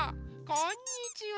こんにちは。